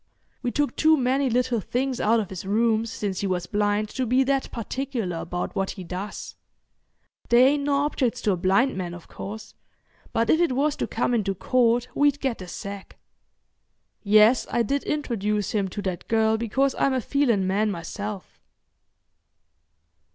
We took too many little things out of his rooms since he was blind to be that particular about what he does. They ain't no objects to a blind man, of course, but if it was to come into court we'd get the sack. Yes, I did introduce him to that girl because I'm a feelin' man myself."